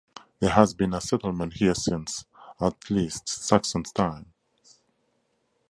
There has been a settlement here since, at least, Saxon times.